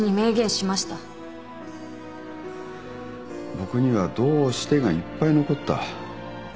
僕には「どうして」がいっぱい残った。